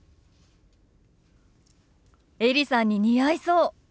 エリさんに似合いそう。